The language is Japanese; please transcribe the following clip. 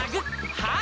はい！